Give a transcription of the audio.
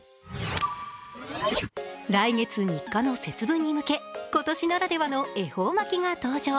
来月３日の節分に向け、今年ならではの恵方巻きが登場。